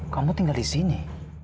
kamu tinggal di sini